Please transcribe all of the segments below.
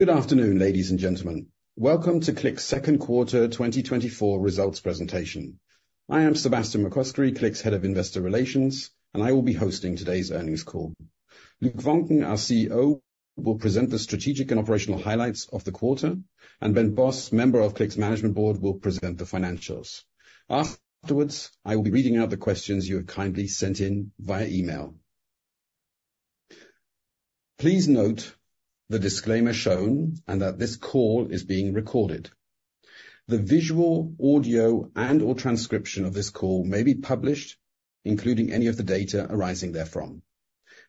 Good afternoon, ladies and gentlemen. Welcome to Cliq's second quarter 2024 results presentation. I am Sebastian McCoskrie, Cliq's Head of Investor Relations, and I will be hosting today's earnings call. Luc Voncken, our CEO, will present the strategic and operational highlights of the quarter, and Ben Bos, member of Cliq's Management Board, will present the financials. Afterwards, I will be reading out the questions you have kindly sent in via email. Please note the disclaimer shown and that this call is being recorded. The visual, audio, and/or transcription of this call may be published, including any of the data arising therefrom.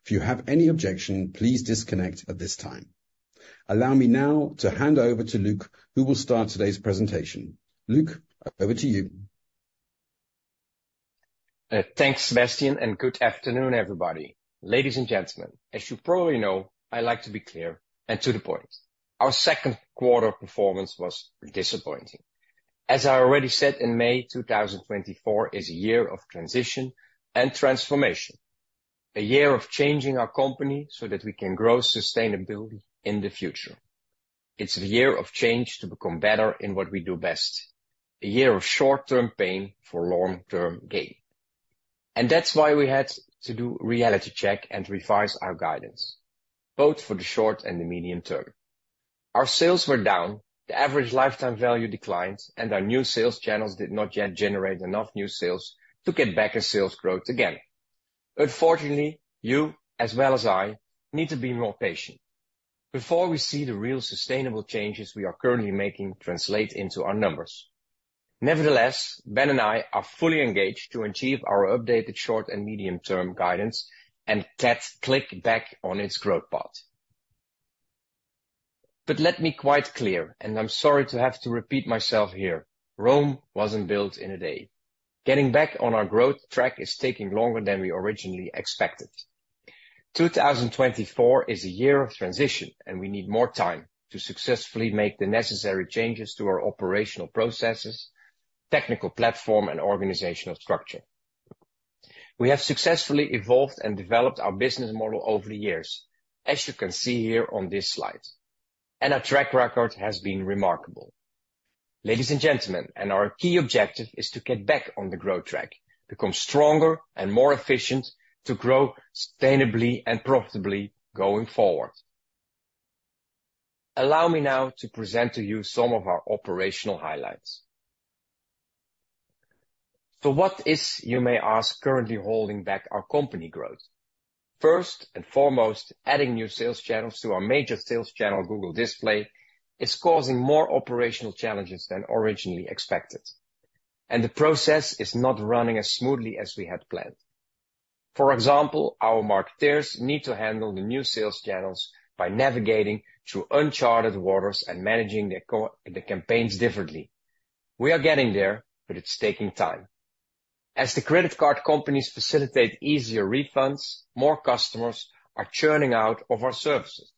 If you have any objection, please disconnect at this time. Allow me now to hand over to Luc, who will start today's presentation. Luc, over to you. Thanks, Sebastian, and good afternoon, everybody. Ladies and gentlemen, as you probably know, I like to be clear and to the point. Our second quarter performance was disappointing. As I already said, in May, 2024 is a year of transition and transformation, a year of changing our company so that we can grow sustainably in the future. It's a year of change to become better in what we do best, a year of short-term pain for long-term gain. That's why we had to do reality check and revise our guidance, both for the short and the medium term. Our sales were down, the average lifetime value declined, and our new sales channels did not yet generate enough new sales to get back as sales growth again. Unfortunately, you, as well as I, need to be more patient before we see the real sustainable changes we are currently making translate into our numbers. Nevertheless, Ben and I are fully engaged to achieve our updated short and medium-term guidance and get Cliq back on its growth path. But let me be quite clear, and I'm sorry to have to repeat myself here, Rome wasn't built in a day. Getting back on our growth track is taking longer than we originally expected. 2024 is a year of transition, and we need more time to successfully make the necessary changes to our operational processes, technical platform, and organizational structure. We have successfully evolved and developed our business model over the years, as you can see here on this slide, and our track record has been remarkable. Ladies and gentlemen, our key objective is to get back on the growth track, become stronger and more efficient, to grow sustainably and profitably going forward. Allow me now to present to you some of our operational highlights. So what is, you may ask, currently holding back our company growth? First and foremost, adding new sales channels to our major sales channel, Google Display, is causing more operational challenges than originally expected, and the process is not running as smoothly as we had planned. For example, our marketeers need to handle the new sales channels by navigating through uncharted waters and managing the campaigns differently. We are getting there, but it's taking time. As the credit card companies facilitate easier refunds, more customers are churning out of our services,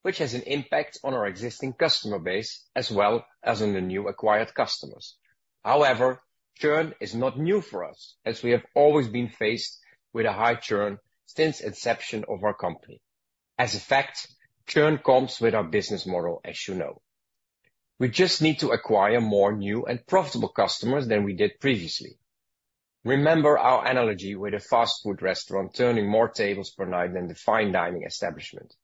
which has an impact on our existing customer base as well as on the new acquired customers. However, churn is not new for us, as we have always been faced with a high churn since inception of our company. As a fact, churn comes with our business model, as you know. We just need to acquire more new and profitable customers than we did previously. Remember our analogy with a fast food restaurant turning more tables per night than the fine dining establishment.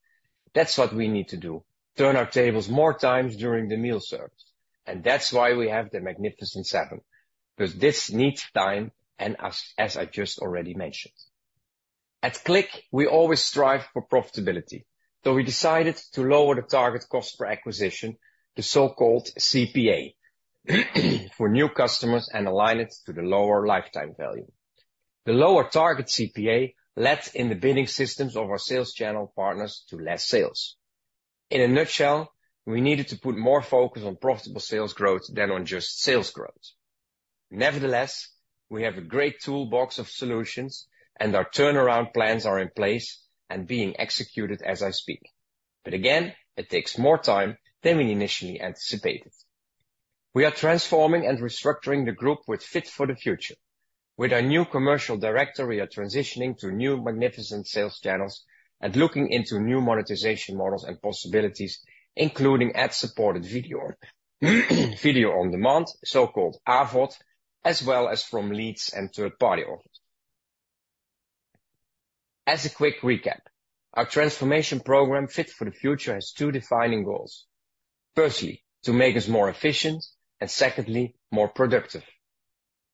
That's what we need to do, turn our tables more times during the meal service, and that's why we have the Magnificent Seven, because this needs time, and as I just already mentioned. At Cliq, we always strive for profitability, so we decided to lower the target cost per acquisition, the so-called CPA, for new customers and align it to the lower lifetime value. The lower target CPA led in the bidding systems of our sales channel partners to less sales. In a nutshell, we needed to put more focus on profitable sales growth than on just sales growth. Nevertheless, we have a great toolbox of solutions, and our turnaround plans are in place and being executed as I speak. But again, it takes more time than we initially anticipated. We are transforming and restructuring the group with Fit for the Future. With our new commercial director, we are transitioning to new magnificent sales channels and looking into new monetization models and possibilities, including ad-supported video, video on demand, so-called AVOD, as well as from leads and third-party offers. As a quick recap, our transformation program, Fit for the Future, has two defining goals: firstly, to make us more efficient and secondly, more productive.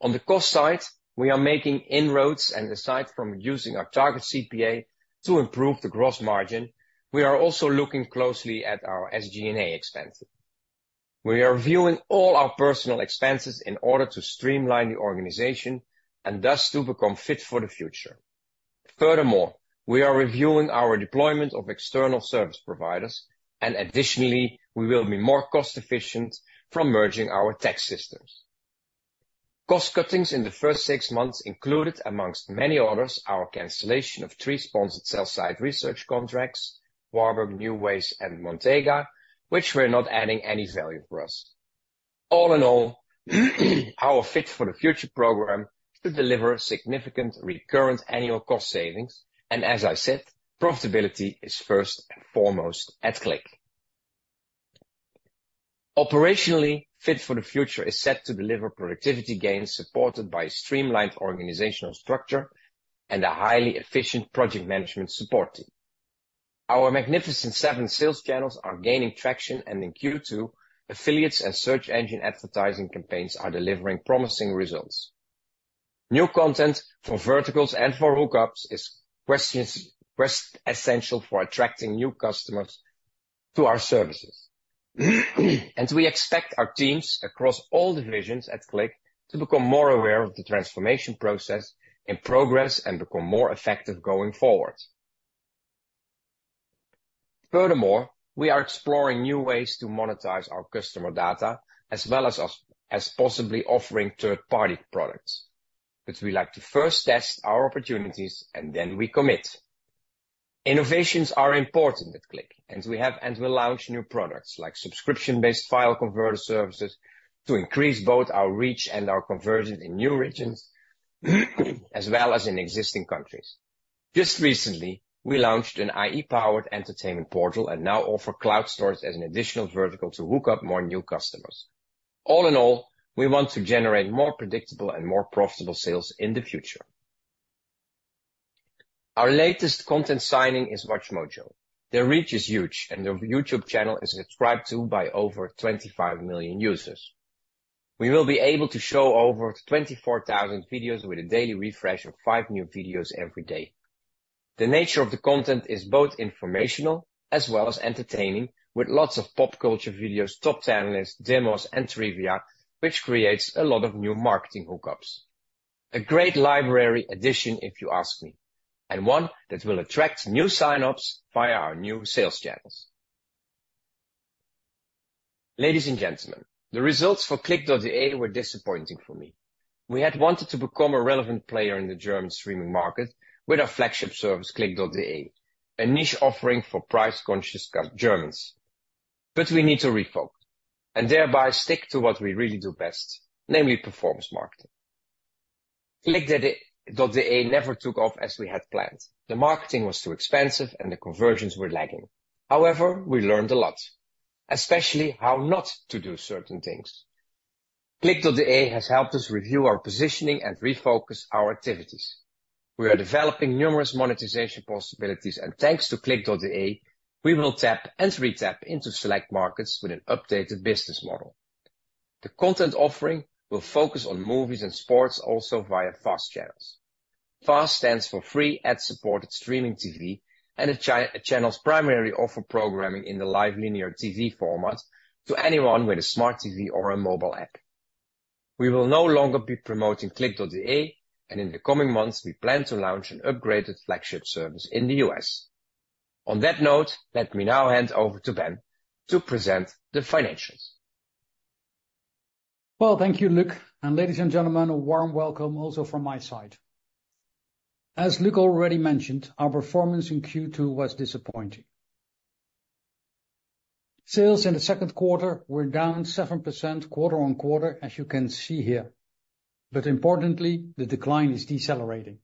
On the cost side, we are making inroads, and aside from using our target CPA to improve the gross margin, we are also looking closely at our SG&A expenses. We are reviewing all our personnel expenses in order to streamline the organization and thus to become fit for the future. Furthermore, we are reviewing our deployment of external service providers, and additionally, we will be more cost efficient from merging our tax systems. Cost cuttings in the first six months included, among many others, our cancellation of three sponsored sell-side research contracts, Warburg, NuWays, and Montega, which were not adding any value for us. All in all, our Fit for the Future program is to deliver significant recurrent annual cost savings, and as I said, profitability is first and foremost at Cliq. Operationally, Fit for the Future is set to deliver productivity gains, supported by a streamlined organizational structure and a highly efficient project management support team. Our Magnificent Seven sales channels are gaining traction, and in Q2, affiliates and search engine advertising campaigns are delivering promising results. New content for verticals and for hookups is essential for attracting new customers to our services. We expect our teams across all divisions at Cliq to become more aware of the transformation process and progress, and become more effective going forward. Furthermore, we are exploring new ways to monetize our customer data, as well as us, as possibly offering third-party products. We like to first test our opportunities, and then we commit. Innovations are important at Cliq, and we have and will launch new products, like subscription-based file converter services, to increase both our reach and our conversion in new regions, as well as in existing countries. Just recently, we launched an IE-powered entertainment portal and now offer cloud storage as an additional vertical to hook up more new customers. All in all, we want to generate more predictable and more profitable sales in the future. Our latest content signing is WatchMojo. Their reach is huge, and their YouTube channel is subscribed to by over 25,000,000 users. We will be able to show over 24,000 videos with a daily refresh of 5 new videos every day. The nature of the content is both informational as well as entertaining, with lots of pop culture videos, top 10 lists, demos, and trivia, which creates a lot of new marketing hookups. A great library addition, if you ask me, and one that will attract new sign-ups via our new sales channels. Ladies and gentlemen, the results for Cliq.de were disappointing for me. We had wanted to become a relevant player in the German streaming market with our flagship service, Cliq.de, a niche offering for price-conscious Germans. But we need to refocus and thereby stick to what we really do best, namely performance marketing. Cliq.de never took off as we had planned. The marketing was too expensive, and the conversions were lagging. However, we learned a lot, especially how not to do certain things. Cliq.de has helped us review our positioning and refocus our activities. We are developing numerous monetization possibilities, and thanks to Cliq.de, we will tap and re-tap into select markets with an updated business model. The content offering will focus on movies and sports also via FAST channels. FAST stands for Free Ad-Supported Streaming TV, and the channels primarily offer programming in the live linear TV format to anyone with a smart TV or a mobile app. We will no longer be promoting Cliq.de, and in the coming months, we plan to launch an upgraded flagship service in the U.S. On that note, let me now hand over to Ben to present the financials. Well, thank you, Luc. Ladies and gentlemen, a warm welcome also from my side. As Luc already mentioned, our performance in Q2 was disappointing. Sales in the second quarter were down 7% quarter-over-quarter, as you can see here, but importantly, the decline is decelerating.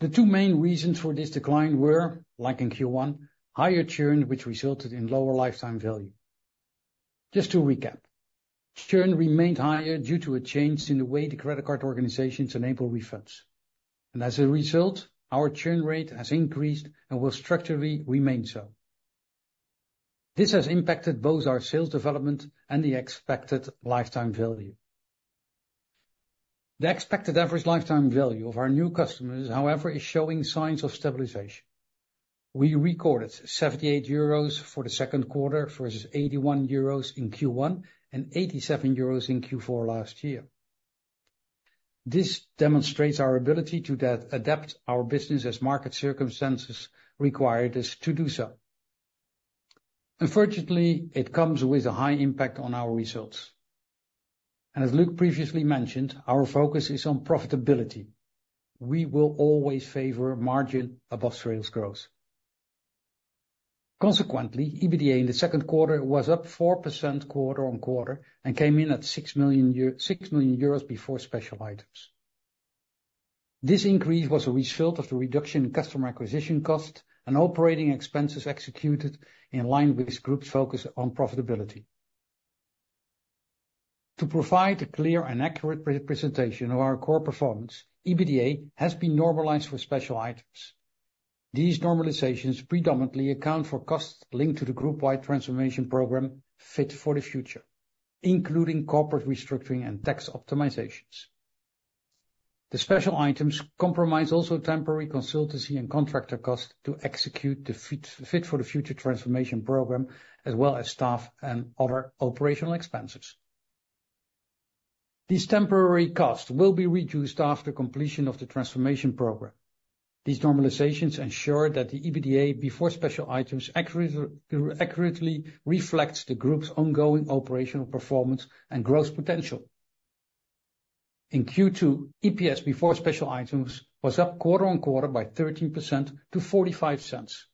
The two main reasons for this decline were, like in Q1, higher churn, which resulted in lower lifetime value. Just to recap, churn remained higher due to a change in the way the credit card organizations enable refunds, and as a result, our churn rate has increased and will structurally remain so. This has impacted both our sales development and the expected lifetime value. The expected average lifetime value of our new customers, however, is showing signs of stabilization. We recorded 78 euros for the second quarter versus 81 euros in Q1 and 87 euros in Q4 last year. This demonstrates our ability to adapt our business as market circumstances require us to do so. Unfortunately, it comes with a high impact on our results, and as Luc previously mentioned, our focus is on profitability. We will always favor margin above sales growth. Consequently, EBITDA in the second quarter was up 4% quarter-on-quarter and came in at 6,000,000 euros before special items. This increase was a result of the reduction in customer acquisition costs and operating expenses executed in line with this group's focus on profitability. To provide a clear and accurate presentation of our core performance, EBITDA has been normalized for special items. These normalizations predominantly account for costs linked to the group-wide transformation program, Fit for the Future, including corporate restructuring and tax optimizations. The special items comprise also temporary consultancy and contractor costs to execute the Fit, Fit for the Future transformation program, as well as staff and other operational expenses. These temporary costs will be reduced after completion of the transformation program. These normalizations ensure that the EBITDA before special items accurately reflects the group's ongoing operational performance and growth potential. In Q2, EPS before special items was up quarter-on-quarter by 13% to 0.45.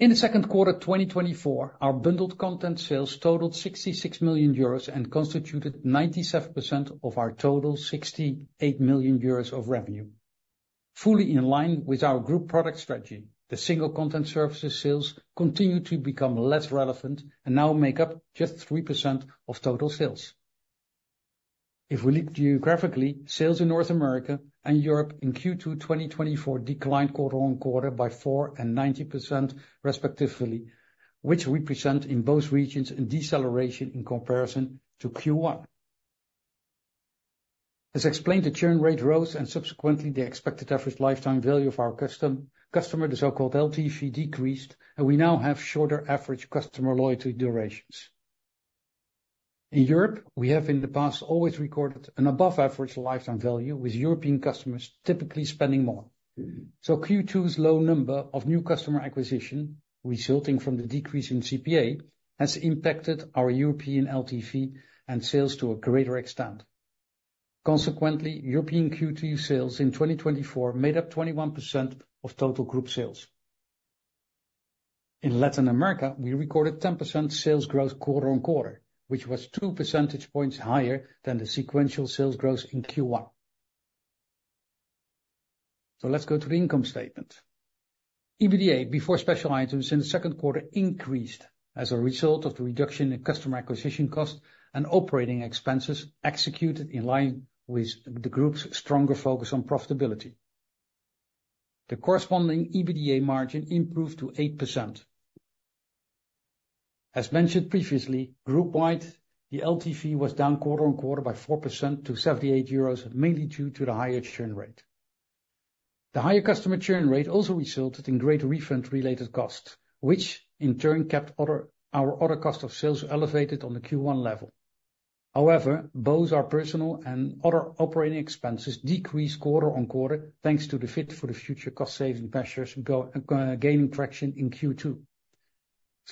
In the second quarter, 2024, our bundled content sales totaled 66 million euros and constituted 97% of our total 68,000,000 euros of revenue. Fully in line with our group product strategy, the single content services sales continued to become less relevant and now make up just 3% of total sales. If we look geographically, sales in North America and Europe in Q2 2024 declined quarter-on-quarter by 4% and 19% respectively, which represent in both regions a deceleration in comparison to Q1. As explained, the churn rate rose and subsequently the expected average lifetime value of our customer, the so-called LTV, decreased, and we now have shorter average customer loyalty durations. In Europe, we have in the past always recorded an above average lifetime value, with European customers typically spending more. So Q2's low number of new customer acquisition, resulting from the decrease in CPA, has impacted our European LTV and sales to a greater extent. Consequently, European Q2 sales in 2024 made up 21% of total group sales. In Latin America, we recorded 10% sales growth quarter-on-quarter, which was 2 percentage points higher than the sequential sales growth in Q1. Let's go to the income statement. EBITDA before special items in the second quarter increased as a result of the reduction in customer acquisition costs and operating expenses executed in line with the group's stronger focus on profitability. The corresponding EBITDA margin improved to 8%. As mentioned previously, group-wide, the LTV was down quarter-on-quarter by 4% to 78 euros, mainly due to the higher churn rate. The higher customer churn rate also resulted in greater refund-related costs, which in turn kept our other cost of sales elevated on the Q1 level. However, both our personnel and other operating expenses decreased quarter-on-quarter, thanks to the Fit for the Future cost-saving measures gaining traction in Q2.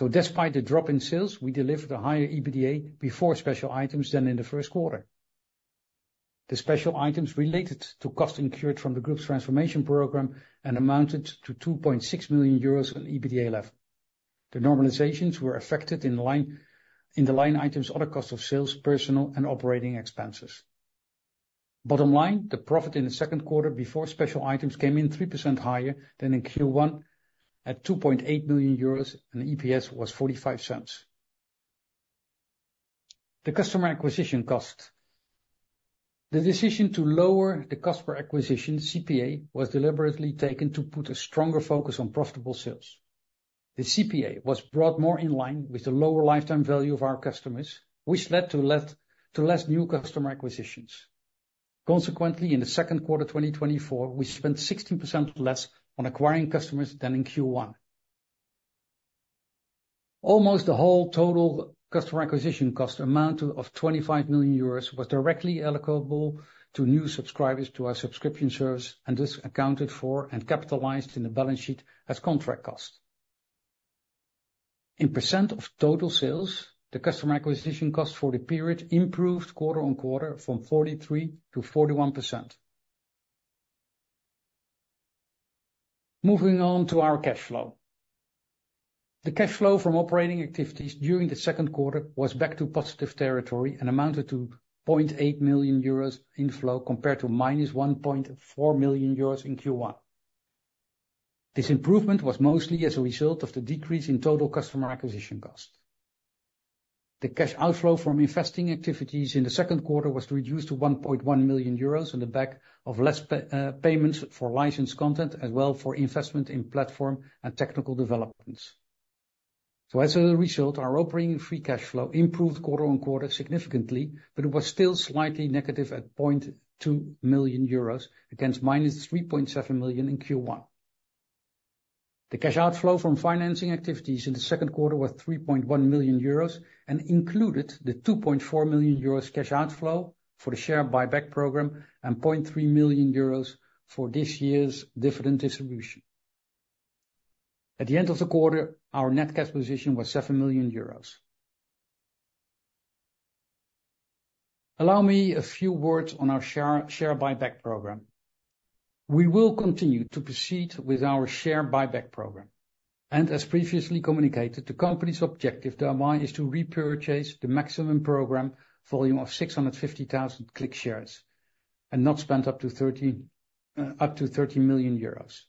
Despite the drop in sales, we delivered a higher EBITDA before special items than in the first quarter. The special items related to costs incurred from the group's transformation program and amounted to 2,600,000 euros on EBITDA level. The normalizations were affected in line, in the line items, other costs of sales, personnel and operating expenses. Bottom line, the profit in the second quarter before special items came in 3% higher than in Q1 at 2,800,000 euros, and EPS was 0.45. The customer acquisition cost. The decision to lower the cost per acquisition, CPA, was deliberately taken to put a stronger focus on profitable sales. The CPA was brought more in line with the lower lifetime value of our customers, which led to less, to less new customer acquisitions. Consequently, in the second quarter of 2024, we spent 16% less on acquiring customers than in Q1. Almost the whole total customer acquisition cost amount of 25,000,000 euros was directly allocable to new subscribers to our subscription service, and this accounted for and capitalized in the balance sheet as contract cost. As a % of total sales, the customer acquisition cost for the period improved quarter-on-quarter from 43% to 41%. Moving on to our cash flow. The cash flow from operating activities during the second quarter was back to positive territory and amounted to 800,000 euros inflow, compared to -1,400,000 euros in Q1. This improvement was mostly as a result of the decrease in total customer acquisition cost. The cash outflow from investing activities in the second quarter was reduced to 1,00,000 euros on the back of less payments for licensed content, as well for investment in platform and technical developments. So, as a result, our operating free cash flow improved quarter-on-quarter significantly, but it was still slightly negative at 200,000 euros against -3,700,000 in Q1. The cash outflow from financing activities in the second quarter was 3,100,000 euros and included the 2,400,000 euros cash outflow for the share buyback program and 300,000 euros for this year's dividend distribution. At the end of the quarter, our net cash position was 7,000,000. Allow me a few words on our share buyback program. We will continue to proceed with our share buyback program, and as previously communicated, the company's objective thereby is to repurchase the maximum program volume of 650,000 Cliq shares and not spend up to thirty- up to thirty million euros.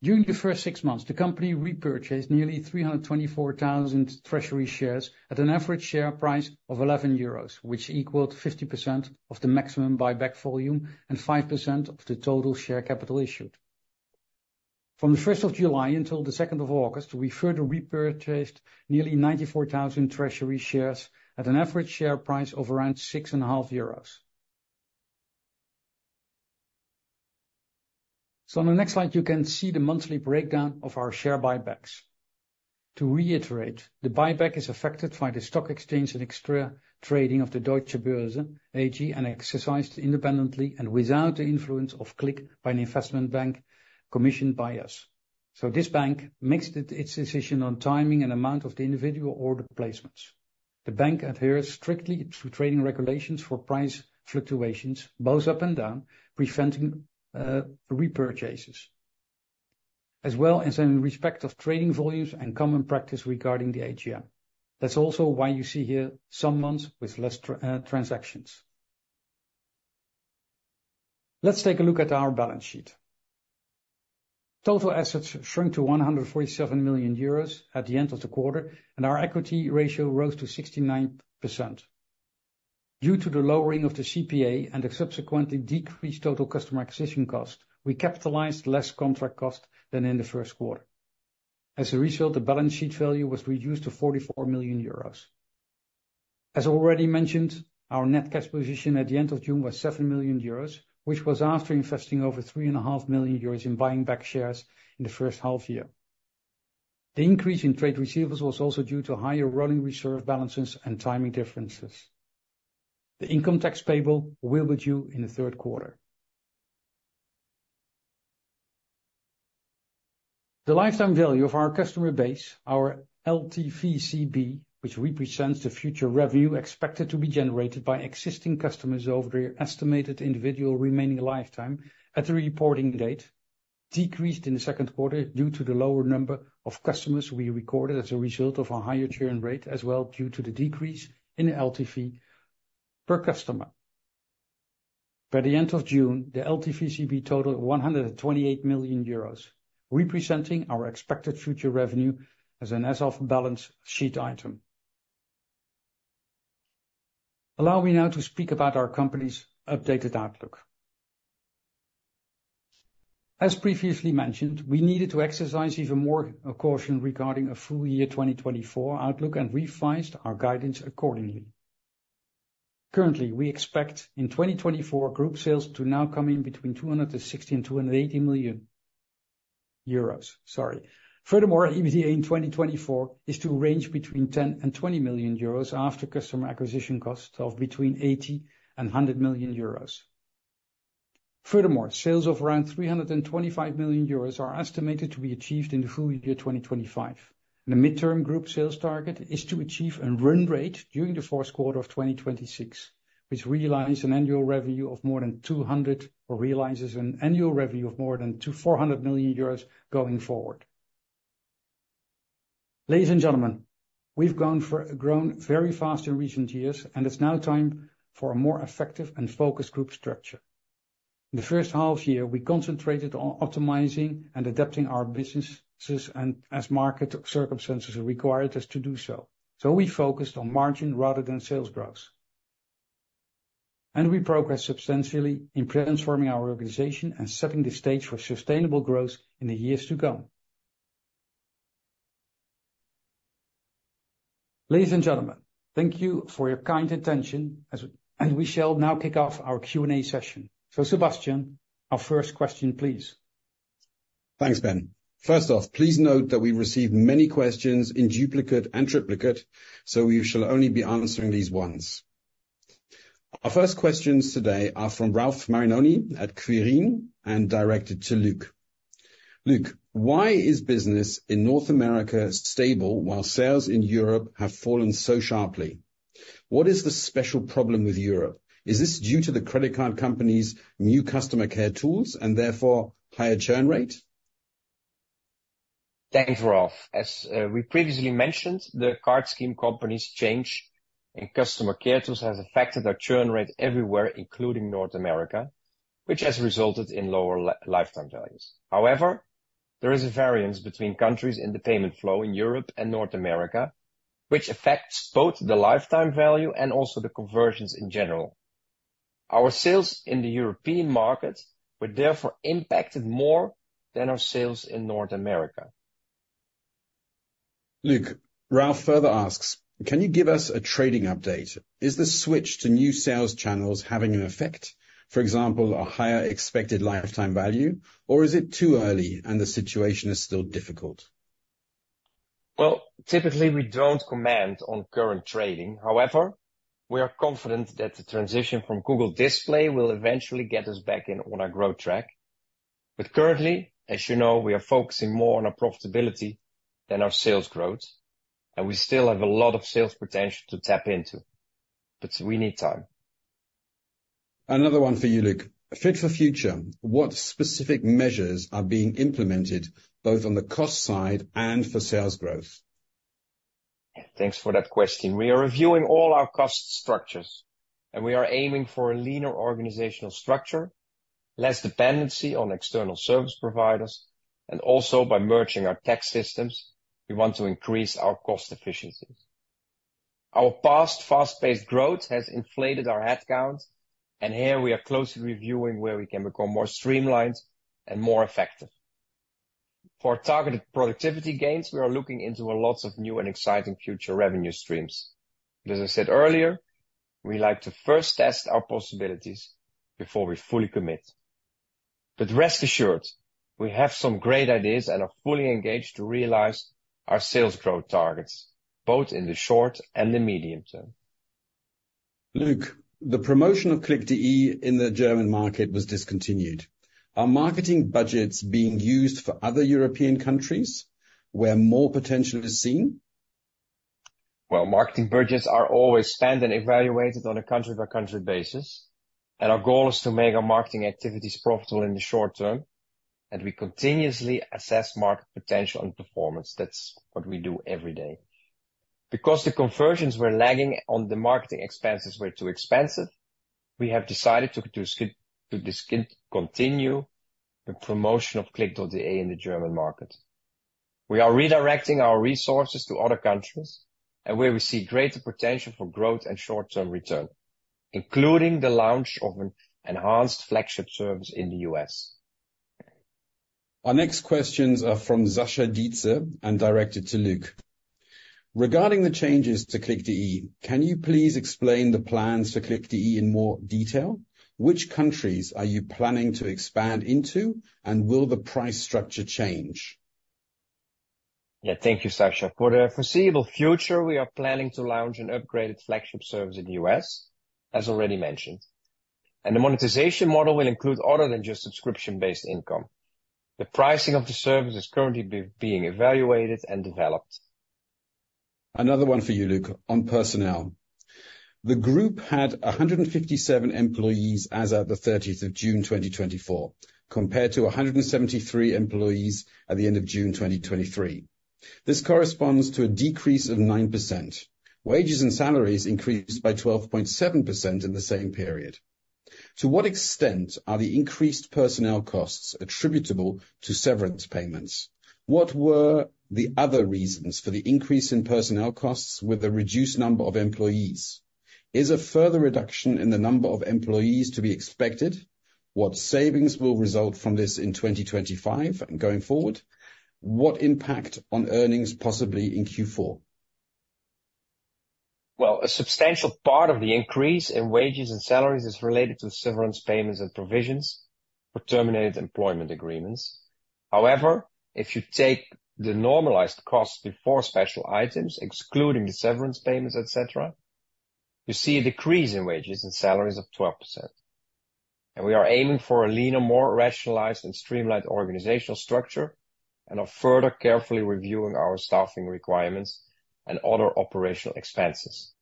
During the first six months, the company repurchased nearly 324,000 treasury shares at an average share price of 11 euros, which equaled 50% of the maximum buyback volume and 5% of the total share capital issued. From the first of July until the second of August, we further repurchased nearly 94,000 treasury shares at an average share price of around 6,500,000. So on the next slide, you can see the monthly breakdown of our share buybacks. To reiterate, the buyback is effected by the stock exchange and Xetra trading of the Deutsche Börse AG and executed independently and without the influence of Cliq by an investment bank commissioned by us. So this bank makes its decision on timing and amount of the individual order placements. The bank adheres strictly to trading regulations for price fluctuations, both up and down, preventing repurchases, as well as in respect of trading volumes and common practice regarding the AGM. That's also why you see here some months with less transactions. Let's take a look at our balance sheet. Total assets shrunk to 147,000,000 euros at the end of the quarter, and our equity ratio rose to 69%. Due to the lowering of the CPA and the subsequently decreased total customer acquisition cost, we capitalized less contract cost than in the first quarter. As a result, the balance sheet value was reduced to 44,000,000 euros. As already mentioned, our net cash position at the end of June was 7 million euros, which was after investing over 3,500,000 euros in buying back shares in the first half year. The increase in trade receivables was also due to higher running reserve balances and timing differences. The income tax payable will be due in the third quarter. The lifetime value of our customer base, our LTVCB, which represents the future revenue expected to be generated by existing customers over their estimated individual remaining lifetime at the reporting date, decreased in the second quarter due to the lower number of customers we recorded as a result of our higher churn rate, as well due to the decrease in LTV per customer. By the end of June, the LTVCB totaled 128,000,000 euros, representing our expected future revenue as an as of balance sheet item. Allow me now to speak about our company's updated outlook. As previously mentioned, we needed to exercise even more caution regarding a full year 2024 outlook and revised our guidance accordingly. Currently, we expect in 2024, group sales to now come in between 260,000,000 and 280,000,000 euros. Sorry. Furthermore, EBITDA in 2024 is to range between 10,000,000 and 20,000,000 euros after customer acquisition costs of between 80,000,000 and 100,000,000 euros. Furthermore, sales of around 325,000,000 euros are estimated to be achieved in the full year 2025. The midterm group sales target is to achieve a run rate during the fourth quarter of 2026, which realize an annual revenue of more than 200, or realizes an annual revenue of more than two--400 million euros going forward. Ladies and gentlemen, we've grown very fast in recent years, and it's now time for a more effective and focused group structure. In the first half year, we concentrated on optimizing and adapting our businesses and as market circumstances required us to do so. So we focused on margin rather than sales growth. And we progressed substantially in transforming our organization and setting the stage for sustainable growth in the years to come. Ladies and gentlemen, thank you for your kind attention, and we shall now kick off our Q&A session. So, Sebastian, our first question, please. Thanks, Ben. First off, please note that we've received many questions in duplicate and triplicate, so we shall only be answering these once. Our first questions today are from Ralf Marinoni at Quirin and directed to Luc. Luc, why is business in North America stable while sales in Europe have fallen so sharply? What is the special problem with Europe? Is this due to the credit card company's new customer care tools and therefore higher churn rate? Thanks, Ralph. As we previously mentioned, the card scheme company's change in customer care tools has affected our churn rate everywhere, including North America, which has resulted in lower lifetime values. However, there is a variance between countries in the payment flow in Europe and North America, which affects both the lifetime value and also the conversions in general. Our sales in the European market were therefore impacted more than our sales in North America. Luc, Ralph further asks, "Can you give us a trading update? Is the switch to new sales channels having an effect, for example, a higher expected lifetime value, or is it too early and the situation is still difficult? Well, typically, we don't comment on current trading. However, we are confident that the transition from Google Display will eventually get us back in on our growth track. But currently, as you know, we are focusing more on our profitability than our sales growth, and we still have a lot of sales potential to tap into, but we need time. Another one for you, Luc: Fit for Future. What specific measures are being implemented both on the cost side and for sales growth? Thanks for that question. We are reviewing all our cost structures, and we are aiming for a leaner organizational structure, less dependency on external service providers, and also by merging our tax systems, we want to increase our cost efficiencies. Our past fast-paced growth has inflated our headcount, and here we are closely reviewing where we can become more streamlined and more effective. For targeted productivity gains, we are looking into a lot of new and exciting future revenue streams. As I said earlier, we like to first test our possibilities before we fully commit. Rest assured, we have some great ideas and are fully engaged to realize our sales growth targets, both in the short and the medium term.... Luc, the promotion of Cliq.de in the German market was discontinued. Are marketing budgets being used for other European countries where more potential is seen? Well, marketing budgets are always spent and evaluated on a country-by-country basis, and our goal is to make our marketing activities profitable in the short term, and we continuously assess market potential and performance. That's what we do every day. Because the conversions were lagging and the marketing expenses were too expensive, we have decided to discontinue the promotion of Cliq.de in the German market. We are redirecting our resources to other countries and where we see greater potential for growth and short-term return, including the launch of an enhanced flagship service in the US. Our next questions are from Sascha Dietze and directed to Luc. Regarding the changes to Cliq.de, can you please explain the plans for Cliq.de in more detail? Which countries are you planning to expand into, and will the price structure change? Yeah, thank you, Sasha. For the foreseeable future, we are planning to launch an upgraded flagship service in the US, as already mentioned, and the monetization model will include other than just subscription-based income. The pricing of the service is currently being evaluated and developed. Another one for you, Luc, on personnel. The group had 157 employees as of the 30th of June, 2024, compared to 173 employees at the end of June 2023. This corresponds to a decrease of 9%. Wages and salaries increased by 12.7% in the same period. To what extent are the increased personnel costs attributable to severance payments? What were the other reasons for the increase in personnel costs with the reduced number of employees? Is a further reduction in the number of employees to be expected? What savings will result from this in 2025 and going forward? What impact on earnings, possibly in Q4? Well, a substantial part of the increase in wages and salaries is related to severance payments and provisions for terminated employment agreements. However, if you take the normalized cost before special items, excluding the severance payments, et cetera, you see a decrease in wages and salaries of 12%. We are aiming for a leaner, more rationalized and streamlined organizational structure, and are further carefully reviewing our staffing requirements and other operational expenses.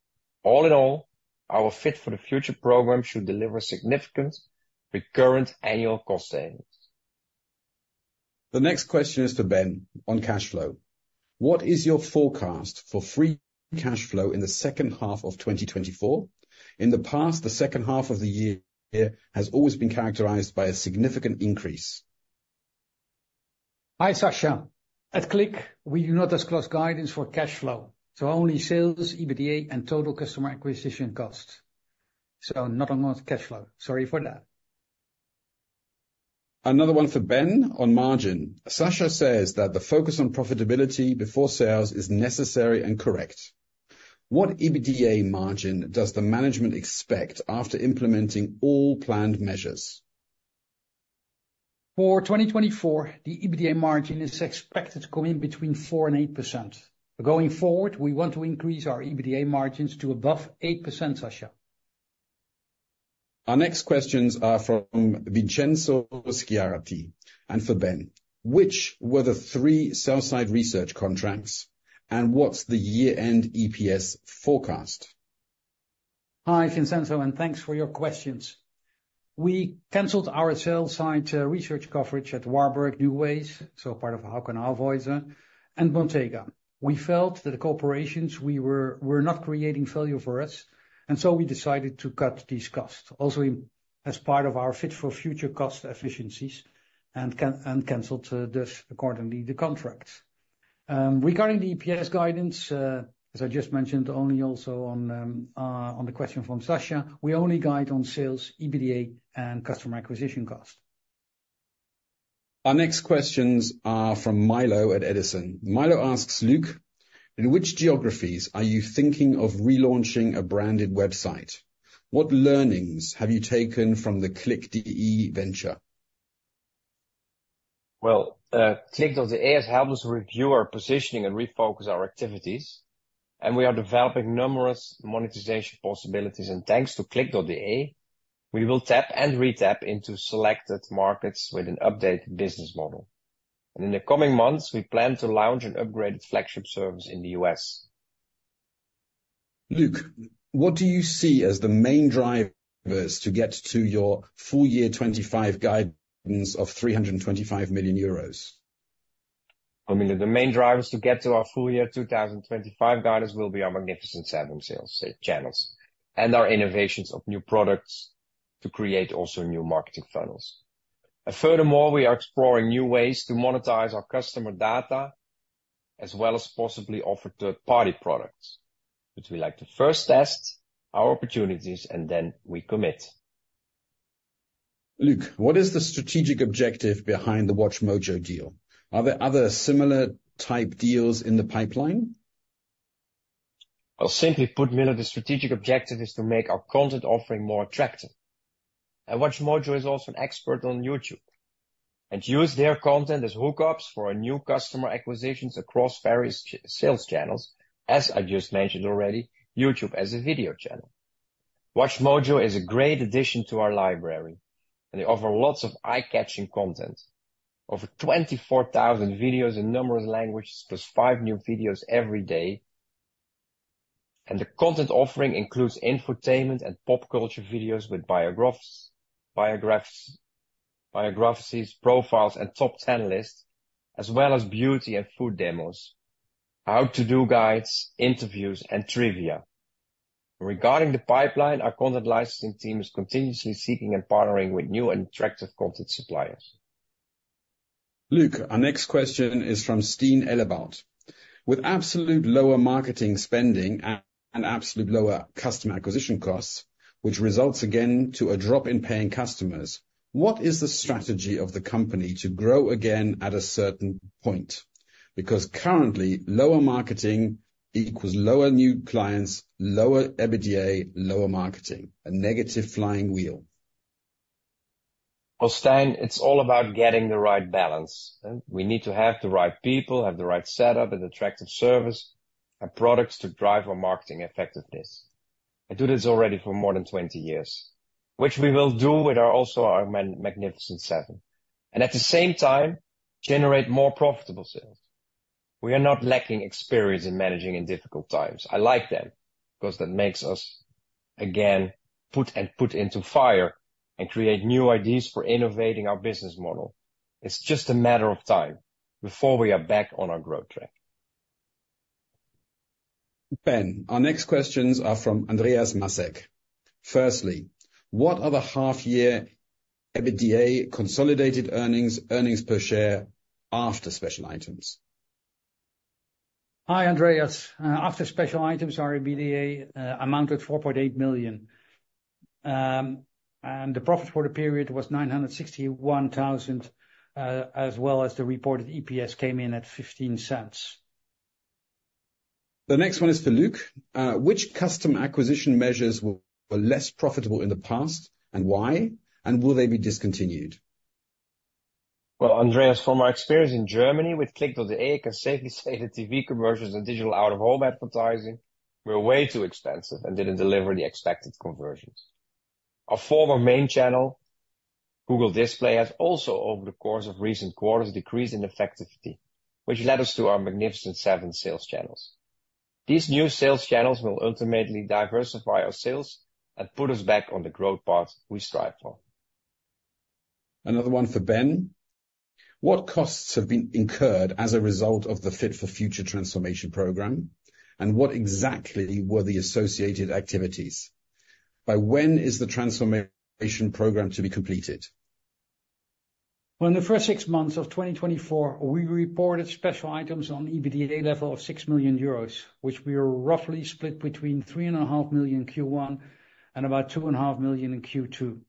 All in all, our Fit for the Future program should deliver significant recurrent annual cost savings. The next question is to Ben on cash flow: What is your forecast for free cash flow in the second half of 2024? In the past, the second half of the year has always been characterized by a significant increase. Hi, Sasha. At Cliq, we do not disclose guidance for cash flow, so only sales, EBITDA, and total customer acquisition costs. So not on our cash flow. Sorry for that. Another one for Ben on margin: Sasha says that the focus on profitability before sales is necessary and correct. What EBITDA margin does the management expect after implementing all planned measures? For 2024, the EBITDA margin is expected to come in between 4% and 8%. Going forward, we want to increase our EBITDA margins to above 8%, Sasha. Our next questions are from Vincenzo Schiaritti, and for Ben: Which were the three sell-side research contracts, and what's the year-end EPS forecast? Hi, Vincenzo, and thanks for your questions. We canceled our sell-side research coverage at Warburg, NuWays, so part of Hauck & Aufhäuser, and Montega. We felt that the corporations we were not creating value for us, and so we decided to cut these costs, also in, as part of our Fit for Future cost efficiencies, and canceled thus, accordingly, the contracts. Regarding the EPS guidance, as I just mentioned, only also on the question from Sasha, we only guide on sales, EBITDA, and customer acquisition cost. Our next questions are from Milo at Edison. Milo asks Luc: In which geographies are you thinking of relaunching a branded website? What learnings have you taken from the Cliq.de venture? Well, Cliq.de has helped us review our positioning and refocus our activities, and we are developing numerous monetization possibilities. Thanks to Cliq.de, we will tap and re-tap into selected markets with an updated business model. In the coming months, we plan to launch an upgraded flagship service in the US. Luke, what do you see as the main drivers to get to your full year 2025 guidance of 325 million euros? I mean, the main drivers to get to our full year 2025 guidance will be our Magnificent Seven sales channels and our innovations of new products to create also new marketing funnels. Furthermore, we are exploring new ways to monetize our customer data, as well as possibly offer third-party products, which we like to first test our opportunities, and then we commit. Luc, what is the strategic objective behind the WatchMojo deal? Are there other similar type deals in the pipeline? Well, simply put, Milo, the strategic objective is to make our content offering more attractive. And WatchMojo is also an expert on YouTube, and use their content as hookups for our new customer acquisitions across various sales channels, as I just mentioned already, YouTube as a video channel. WatchMojo is a great addition to our library, and they offer lots of eye-catching content. Over 24,000 videos in numerous languages, plus 5 new videos every day. And the content offering includes infotainment and pop culture videos with biographies, profiles, and top 10 lists, as well as beauty and food demos, how-to-do guides, interviews, and trivia. Regarding the pipeline, our content licensing team is continuously seeking and partnering with new and attractive content suppliers. Luc, our next question is from Stein Elibout: With absolute lower marketing spending and absolute lower customer acquisition costs, which results again to a drop in paying customers, what is the strategy of the company to grow again at a certain point? Because currently, lower marketing equals lower new clients, lower EBITDA, lower marketing, a negative flying wheel. Well, Stein, it's all about getting the right balance, eh? We need to have the right people, have the right setup, and attractive service and products to drive our marketing effectiveness. I do this already for more than 20 years, which we will do with our also our Magnificent Seven, and at the same time, generate more profitable sales. We are not lacking experience in managing in difficult times. I like that, because that makes us, again, put and put into fire and create new ideas for innovating our business model. It's just a matter of time before we are back on our growth track. Ben, our next questions are from Andreas Masek. Firstly, what are the half-year EBITDA consolidated earnings, earnings per share after special items? Hi, Andreas. After special items, our EBITDA amounted to 4,800,000. The profit for the period was 961,000, as well as the reported EPS came in at 0.15. The next one is for Luke. Which customer acquisition measures were less profitable in the past, and why? And will they be discontinued? Well, Andreas, from my experience in Germany, with Cliq.de, I can safely say that TV commercials and digital out-of-home advertising were way too expensive and didn't deliver the expected conversions. Our former main channel, Google Display, has also, over the course of recent quarters, decreased in effectivity, which led us to our Magnificent Seven sales channels. These new sales channels will ultimately diversify our sales and put us back on the growth path we strive for. Another one for Ben: What costs have been incurred as a result of the Fit for the Future transformation program, and what exactly were the associated activities? By when is the transformation program to be completed? Well, in the first six months of 2024, we reported special items on EBITDA level of 6 million euros, which we are roughly split between 3,500,000 Q1 and about 2,500,000 in Q2.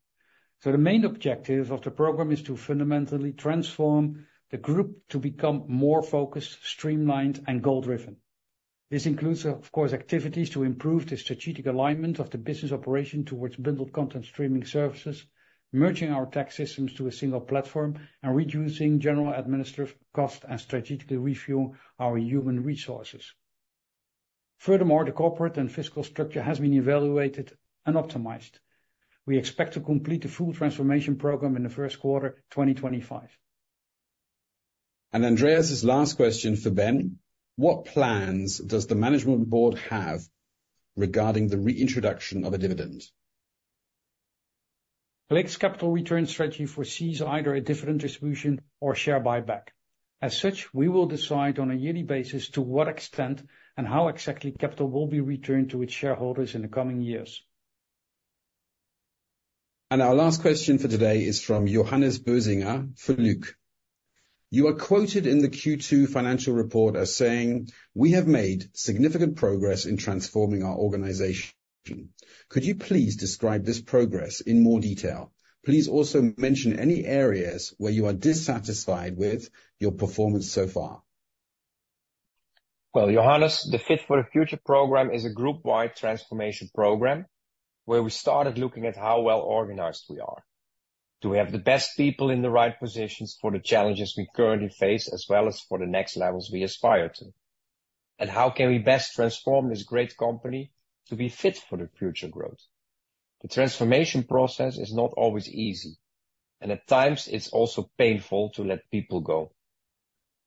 So the main objective of the program is to fundamentally transform the group to become more focused, streamlined, and goal-driven. This includes, of course, activities to improve the strategic alignment of the business operation towards bundled content streaming services, merging our tax systems to a single platform, and reducing general administrative cost and strategically review our human resources. Furthermore, the corporate and fiscal structure has been evaluated and optimized. We expect to complete the full transformation program in the first quarter, 2025. Andreas' last question for Ben: What plans does the management board have regarding the reintroduction of a dividend? Digital's capital return strategy foresees either a dividend distribution or share buyback. As such, we will decide on a yearly basis to what extent and how exactly capital will be returned to its shareholders in the coming years. And our last question for today is from Johannes Bözinger for Luc. You are quoted in the Q2 financial report as saying: We have made significant progress in transforming our organization. Could you please describe this progress in more detail? Please also mention any areas where you are dissatisfied with your performance so far. Well, Johannes, the Fit for the Future program is a group-wide transformation program, where we started looking at how well organized we are. Do we have the best people in the right positions for the challenges we currently face, as well as for the next levels we aspire to? And how can we best transform this great company to be fit for the future growth? The transformation process is not always easy, and at times, it's also painful to let people go.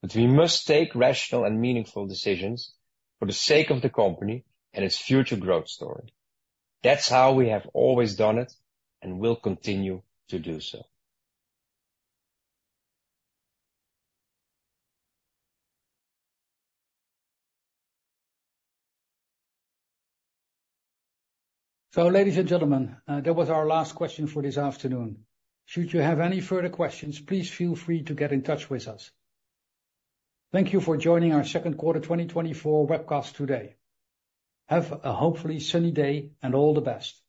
But we must take rational and meaningful decisions for the sake of the company and its future growth story. That's how we have always done it and will continue to do so. So ladies and gentlemen, that was our last question for this afternoon. Should you have any further questions, please feel free to get in touch with us. Thank you for joining our second quarter 2024 webcast today. Have a hopefully sunny day, and all the best!